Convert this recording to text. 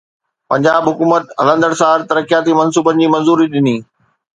پنجاب حڪومت هلندڙ سال ترقياتي منصوبن جي منظوري ڏني